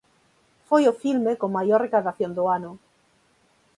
Foi o filme con maior recadación do ano.